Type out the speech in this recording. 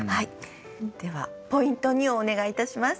ではポイント２をお願いいたします。